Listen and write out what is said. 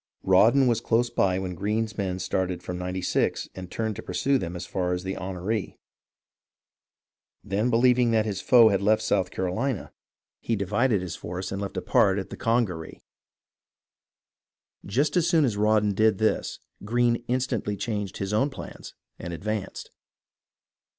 Rawdon was close by when Greene's men started from Ninety Six and turned to pursue them as far as the Enoree; then, believing that his foe had left South Carolina, he 342 HISTORY OF THE AMERICAN REVOLUTION divided his force and left a part at the Congaree. Just as soon as Rawdon did this Greene instantly changed his own plans and advanced.